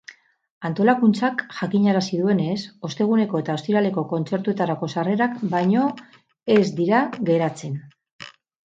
Antolakuntzak jakinarazi duenez, osteguneko eta ostiraleko kontzertuetarako sarrerak baino ez dira geratzen.